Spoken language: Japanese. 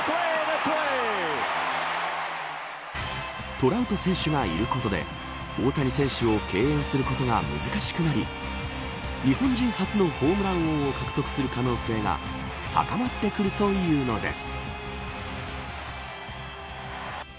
トラウト選手がいることで大谷選手を敬遠することが難しくなり日本人初のホームラン王を獲得する可能性が高まってくるというのです。